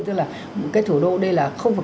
tức là cái thủ đô đây là không phải